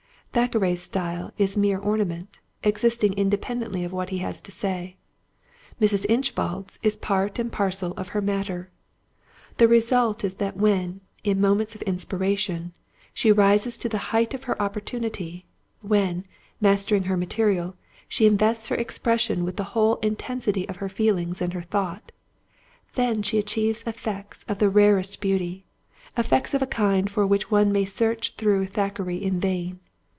Thackeray's style is mere ornament, existing independently of what he has to say; Mrs. Inchbald's is part and parcel of her matter. The result is that when, in moments of inspiration, she rises to the height of her opportunity, when, mastering her material, she invests her expression with the whole intensity of her feeling and her thought, then she achieves effects of the rarest beauty—effects of a kind for which one may search through Thackeray in vain.